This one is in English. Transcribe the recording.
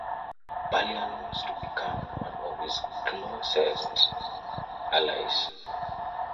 Balian was to become one of his closest allies.